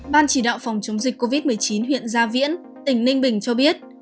ban chỉ đạo phòng chống dịch covid một mươi chín huyện gia viễn tỉnh ninh bình cho biết